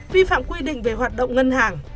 vi phạm quy định về hoạt động ngân hàng